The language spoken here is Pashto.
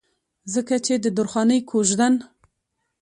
ځکه چې د درخانۍ کويژدن